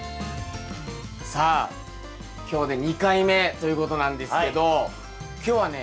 さあ今日で２回目ということなんですけど今日はね